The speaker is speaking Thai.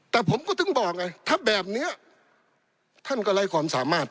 แต่ผมก็ถึงบอกไงถ้าแบบนี้ท่านก็ไร้ความสามารถ